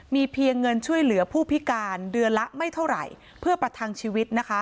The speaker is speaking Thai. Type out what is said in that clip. มีเพียงเงินช่วยเหลือผู้พิการเดือนละไม่เท่าไหร่เพื่อประทังชีวิตนะคะ